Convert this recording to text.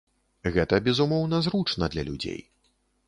Гэта, безумоўна, зручна для людзей.